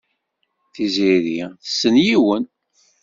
Tiziri tessen yiwen.